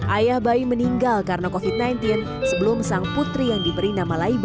ayah bayi meninggal karena covid sembilan belas sebelum sang putri yang diberi nama laib